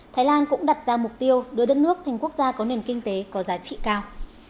thái lan cũng đặt ra mục tiêu đưa đất nước thành quốc gia có nền kinh tế có giá trị cao